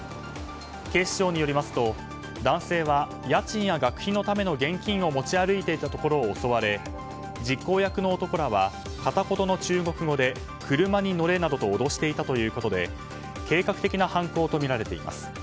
警視庁によりますと男性は家賃や学費のための現金を持ち歩いていたところを襲われ実行役の男らは、片言の中国語で車に乗れなどと脅していたということで計画的な犯行とみられています。